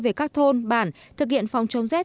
về các thôn bản thực hiện phòng chống rết